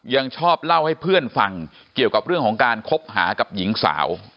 ยังชอบเล่าให้เพื่อนฟังเกี่ยวกับเรื่องของการคบหากับหญิงสาว